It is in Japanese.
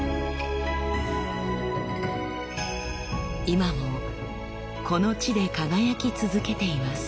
今もこの地で輝き続けています。